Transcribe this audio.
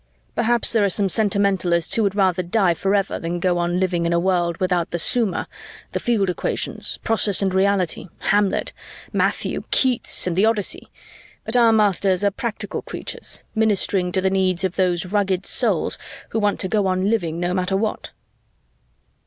"Perhaps there are some sentimentalists who would rather die forever than go on living in a world without the Summa, the Field Equations, Process and Reality, Hamlet, Matthew, Keats, and the Odyssey, but our masters are practical creatures, ministering to the needs of those rugged souls who want to go on living no matter what."